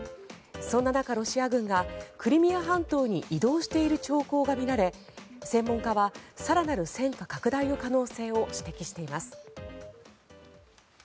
そんな中、ロシア軍がクリミア半島に移動している兆候が見られ専門家は更なる戦火拡大の可能性を指摘しています。